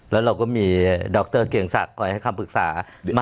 แล้วเราก็มีดรเกียงศักดิ์คอยให้คำปรึกษา